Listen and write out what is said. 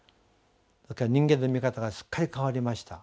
それから人間の見方がすっかり変わりました。